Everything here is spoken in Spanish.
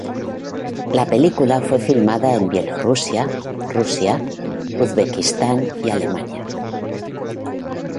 La película fue filmada en Bielorrusia, Rusia, Uzbekistán y Alemania.